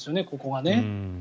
ここがね。